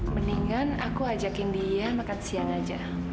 mendingan aku ajakin dia makan siang aja